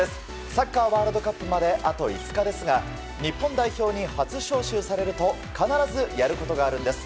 サッカーワールドカップまであと５日ですが日本代表に初招集されると必ずやることがあるんですす。